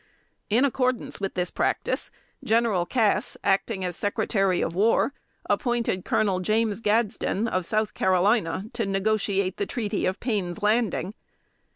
] In accordance with this practice, General Cass, acting as Secretary of War, appointed Colonel James Gadsden, of South Carolina, to negotiate the treaty of Payne's Landing.